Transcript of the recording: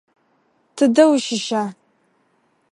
Тыдэ ущыща?